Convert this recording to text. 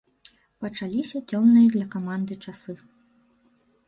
Пачаліся цёмныя для каманды часы.